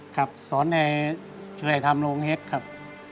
ครับสอนให้ช่วยทำโรงเห็ดครับ